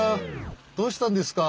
どうしたんですか？